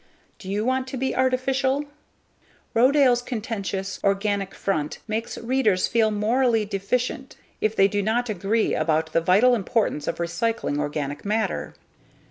Do you want to be "artificial?" Rodale's contentious _Organic Front _makes readers feel morally deficient if they do not agree about the vital importance of recycling organic matter.